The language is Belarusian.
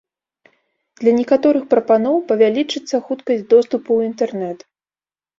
Для некаторых прапаноў павялічыцца хуткасць доступу ў інтэрнэт.